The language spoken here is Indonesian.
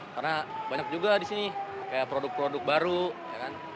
karena banyak juga di sini kayak produk produk baru ya kan